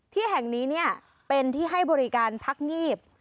ที่แห่งนี้เป็นที่ให้บริการพักงีบ